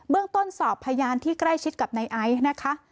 เรื่องต้นสอบพยานที่ใกล้ชิดกับนายไอซ์นะคะ